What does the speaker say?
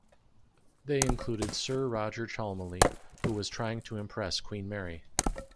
They included Sir Roger Cholmeley, who was trying to impress Queen Mary.